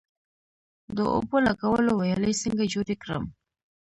د اوبو لګولو ویالې څنګه جوړې کړم؟